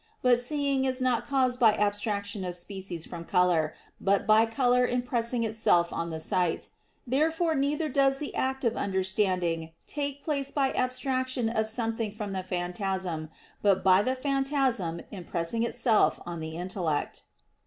But seeing is not caused by abstraction of species from color, but by color impressing itself on the sight. Therefore neither does the act of understanding take place by abstraction of something from the phantasm, but by the phantasm impressing itself on the intellect.